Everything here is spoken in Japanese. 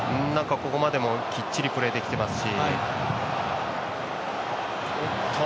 ここまでもきっちりプレーできてますし。